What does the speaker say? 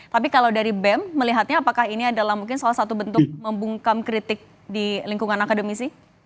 tapi kalau dari bem melihatnya apakah ini adalah mungkin salah satu bentuk membungkam kritik di lingkungan akademisi